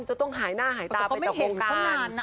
จะต้องหายหน้าหายตา